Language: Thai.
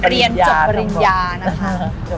เรียนจบปริญญาทั้งหมดนะคะ